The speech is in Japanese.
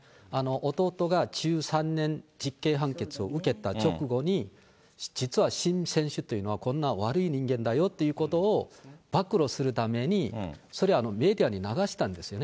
弟が１３年、実刑判決を受けた直後に、実はシム選手というのは、こんな悪い人間だよというのを暴露するために、それ、メディアに流したんですよね。